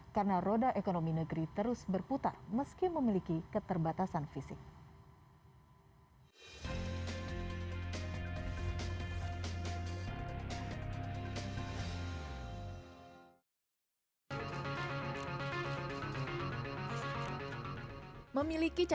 karena roda ekonomi negeri terus berputar meski memiliki keterbatasan fisik